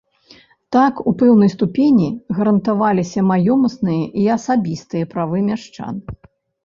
Так, у пэўнай ступені гарантаваліся маёмасныя і асабістыя правы мяшчан.